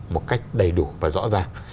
một cách đầy đủ và rõ ràng